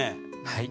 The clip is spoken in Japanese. はい。